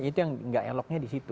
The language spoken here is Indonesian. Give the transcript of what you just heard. itu yang nggak eloknya di situ